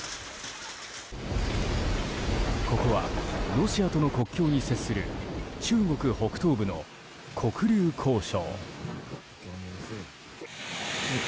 ここはロシアとの国境に接する中国北東部の黒竜江省。